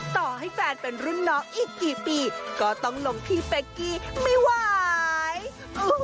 ต่อให้แฟนเป็นรุ่นน้องอีกกี่ปีก็ต้องลงพี่เป๊กกี้ไม่ไหว